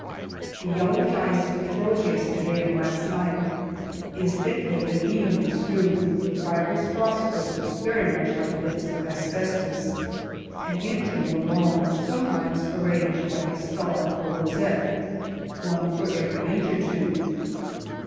... The yellowish ice which froze yes terday and last night is thickly and evenly strewn with fibrous frost crystals very much like bits of asbestos, an inch or more long, sometimes arranged like a star or rosette, one for every inch or two.